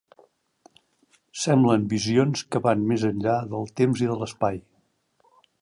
Semblen visions que van més enllà del temps i de l'espai.